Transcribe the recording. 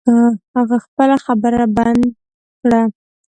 هغه خپله خبره بند کړه.